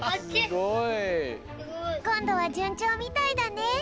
すごい！こんどはじゅんちょうみたいだね。